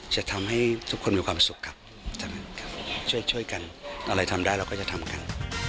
จะทำให้ทุกคนมีความสุขครับทั้งนั้นครับช่วยกันอะไรทำได้เราก็จะทำกัน